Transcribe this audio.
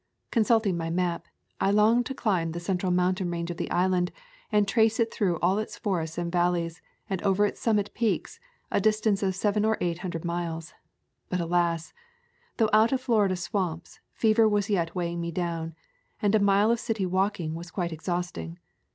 Consult ing my map, I longed to climb the central moun tain range of the island and trace it through all its forests and valleys and over its summit peaks, a distance of seven or eight hundred miles. But alas! though out of Florida swamps, fever was yet weighing me down, and a mile of city walking was quite exhausting.